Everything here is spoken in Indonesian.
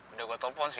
udah gue telpon sih